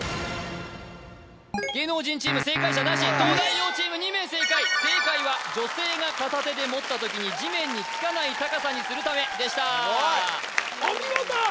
芸能人チーム正解者なし東大王チーム２名正解正解は女性が片手で持った時に地面につかない高さにするためでしたお見事！